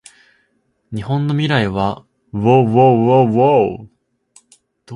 日本の未来はうぉううぉううぉううぉう